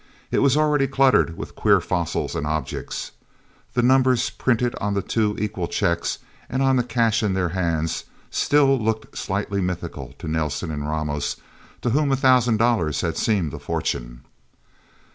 It was already cluttered with queer fossils and objects. The numbers printed on the two equal checks, and on the cash in their hands, still looked slightly mythical to Nelsen and Ramos, to whom a thousand dollars had seemed a fortune.